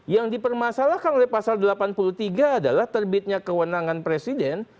yang dipermasalahkan oleh pasal delapan puluh tiga adalah terbitnya kewenangan presiden